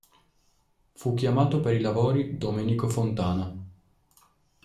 Fu chiamato per i lavori Domenico Fontana.